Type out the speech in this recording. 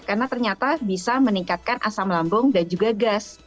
karena ternyata bisa meningkatkan asam lambung dan juga gas